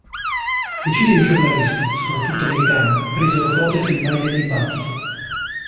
Decine di giornalisti, soprattutto americani, presero foto e filmati del dibattito.